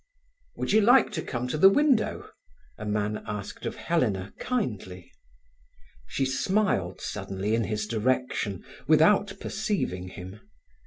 "Would you like to come to the window?" a man asked of Helena kindly. She smiled suddenly in his direction, without perceiving him.